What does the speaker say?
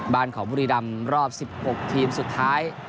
บ้านของบุรีรำรอบ๑๖ทีมสุดท้าย